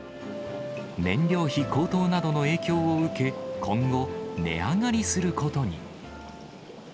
燃料費高騰などの影響を受け、今後、値上がりすることに。